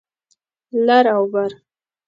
لر او بر